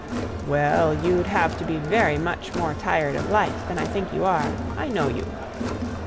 "Well, you'd have to be very much more tired of life than I think you are. I know you."